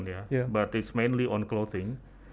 tapi itu terutama pada pakaian